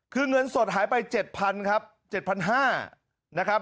คือเงินสดหายไปเจ็ดพันครับเจ็ดพันห้านะครับ